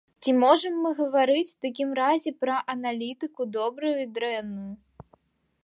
Ці можам мы гаварыць у такім разе пра аналітыку добрую і дрэнную?